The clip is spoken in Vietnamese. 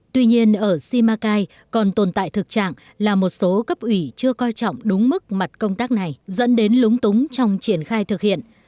tuy nhiên ở simacai còn tồn tại thực trạng là một số cấp ủy chưa coi trọng đúng mức mặt công tác này dẫn đến lúng túng trong triển khai thực hiện